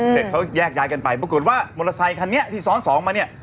เสร็จเขาแยกย้ายกันไปปรากฏว่ามอเตอร์ไซคันนี้ที่ซ้อนสองมาเนี่ย